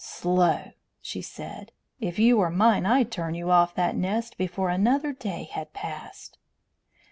"Slow!" she said. "If you were mine I'd turn you off that nest before another day had passed."